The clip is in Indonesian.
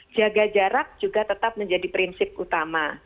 jaga jarak juga tetap menjadi prinsip utama